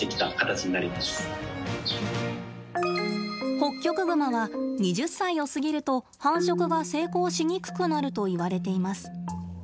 ホッキョクグマは２０歳を過ぎると繁殖が成功しにくくなるといわれています。